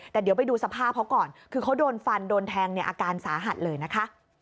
แต่เดี๋ยวไปดูสภาพเขาก่อนคือเขาโดนฟันโดนแทงเนี่ยอาการสาหัสเลยนะคะ